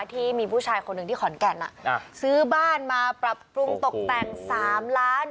ที่มีผู้ชายคนหนึ่งที่ขอนแก่นซื้อบ้านมาปรับปรุงตกแต่ง๓ล้าน